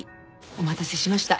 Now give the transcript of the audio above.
お待たせしました。